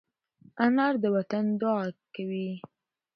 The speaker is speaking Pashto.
انا د وطن دعا کوي